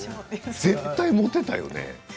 絶対モテたよね？